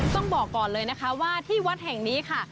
ต้องบอกก่อนเลยนะคะว่าที่วัดแห่งนี้ค่ะ